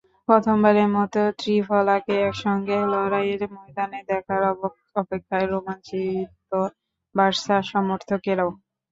প্রথমবারের মতো ত্রিফলাকে একসঙ্গে লড়াইয়ের ময়দানে দেখার অপেক্ষায় রোমাঞ্চিত বার্সা সমর্থকেরাও।